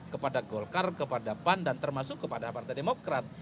kepada golkar kepada pan dan termasuk kepada partai demokrat